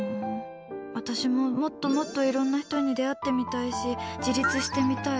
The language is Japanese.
私も、もっともっといろんな人に出会ってみたいし自立してみたい。